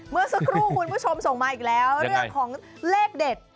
เมื่อสักครู่คุณผู้ชมส่งมาอีกแล้วเรื่องของเลขเด็ด